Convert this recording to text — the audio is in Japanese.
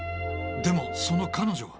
でもその彼女は。